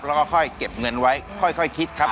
แล้วก็ค่อยเก็บเงินไว้ค่อยคิดครับ